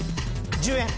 １０円。